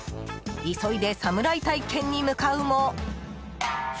急いで侍体験に向かうも。